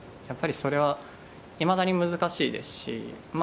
やっぱり、それはいまだに難しいですし。